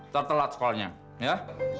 tertelat sekolahnya ya